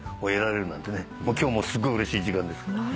今日もすごいうれしい時間です。